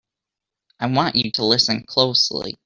I want you to listen closely!